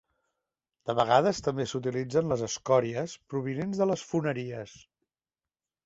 De vegades també s'utilitzen les escòries provinents de les foneries.